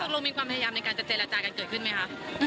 เรามีความพยายามในการจะเจรจากันเกิดขึ้นไหมคะ